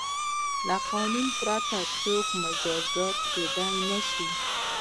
له قانون پرته څوک مجازات کیدای نه شي.